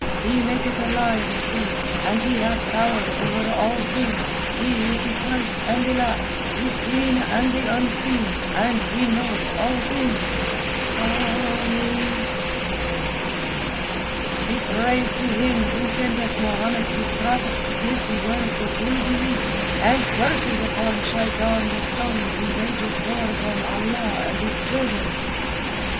He maketh alive and killeth, and He hath power over all things. He is the first and the last, the seen and the unseen, and He knoweth all things." "Ameen," intoned the crowd. "The praise to Him who sent us Mahomet His Prophet to give the world the True Belief, and curses upon Shaitan the stoned who wages war upon Allah and His children."